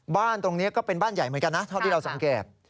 บ้านตรงนี้ก็เป็นบ้านใหญ่เหมือนกันนะเท่าที่เราสังเกต